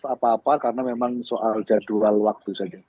apa apa karena memang soal jadwal waktu saja